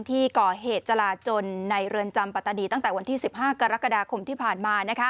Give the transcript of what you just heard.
ที่ก่อเหตุจราจนในเรือนจำปัตตาดีตั้งแต่วันที่๑๕กรกฎาคมที่ผ่านมา